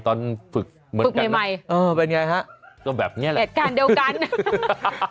ตอนฝึกเหมือนกันเป็นอย่างไรฮะแอบนี้แหละจัดการเดียวกันฮ่า